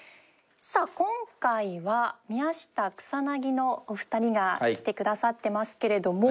さあ今回は宮下草薙のお二人が来てくださっていますけれども。